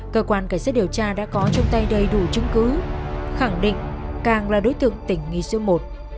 cơ quan cảnh sát điều tra đã có trong tay đầy đủ chứng cứ khẳng định càng là đối tượng tỉnh nghị sưu một